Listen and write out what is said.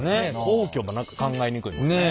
皇居も何か考えにくいもんね。